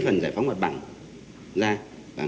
chưa tách riêng phần giải phóng mặt bằng